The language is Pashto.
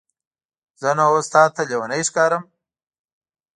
زه نو اوس تاته لیونی ښکارم؟